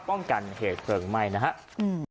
ป้องกันเหตุเพลิงไหม้นะครับ